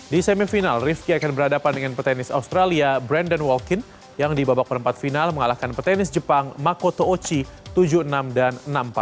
di semifinal rivki akan berhadapan dengan petenis australia brandon walkin yang di babak perempat final mengalahkan petenis jepang makoto ochi tujuh enam dan enam empat